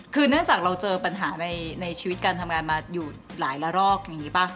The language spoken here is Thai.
คือเนื่องจากเราเจอปัญหาในชีวิตการทำงานมาอยู่หลายละรอกอย่างนี้ป่ะ